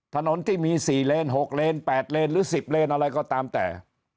ถนนที่มี๔เลน๖เลน๘เลนหรือ๑๐เลนอะไรก็ตามแต่